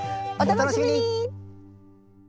お楽しみに！